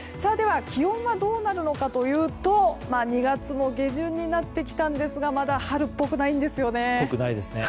気温はどうなるのかというと２月も下旬になってきたんですがまだ春っぽくないんです。